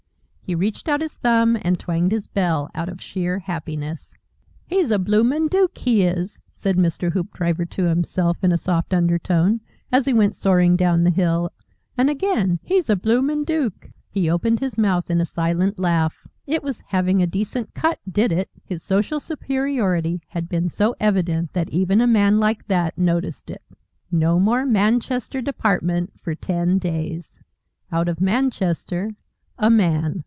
He reached out his thumb and twanged his bell out of sheer happiness. "'He's a bloomin' Dook he is!'" said Mr. Hoopdriver to himself, in a soft undertone, as he went soaring down the hill, and again, "'He's a bloomin' Dook!"' He opened his mouth in a silent laugh. It was having a decent cut did it. His social superiority had been so evident that even a man like that noticed it. No more Manchester Department for ten days! Out of Manchester, a Man.